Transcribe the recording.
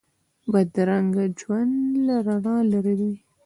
بدرنګه ژوند له رڼا لرې وي